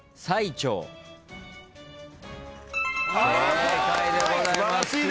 正解でございます。